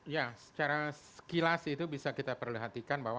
ya secara sekilas itu bisa kita perhatikan bahwa